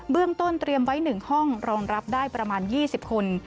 เรื่องต้นเตรียมไว้๑ห้องรองรับได้ประมาณ๒๐คน